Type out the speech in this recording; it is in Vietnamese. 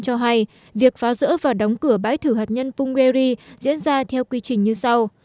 cho hay việc phá rỡ và đóng cửa bãi thử hạt nhân punggeri diễn ra theo quy trình như sau